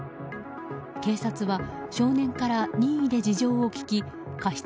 警察は少年から任意で事情を聴き過失